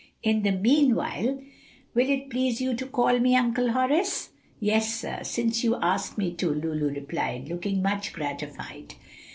In the mean while, will it please you to call me Uncle Horace?" "Yes, sir, since you ask me to," Lulu replied, looking much gratified.